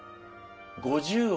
５０億